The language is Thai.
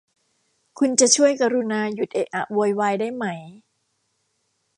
คุณจะช่วยกรุณาหยุดเอะอะโวยวายได้ไหม ?